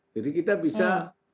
jadi kita bisa